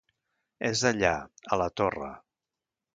És allà, a la torre!